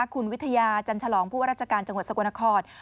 คุณวิทยาจันฉลองผู้ว่าราชการจังหวัดสกลนคร